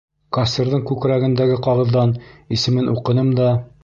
Кассирҙың күкрәгендәге ҡағыҙҙан исемен уҡыным да...